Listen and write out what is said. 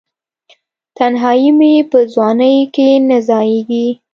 تنهایې مې په ځوانۍ کې نه ځائیږې